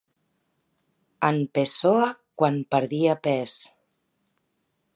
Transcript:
En Pessoa quan perdia pes.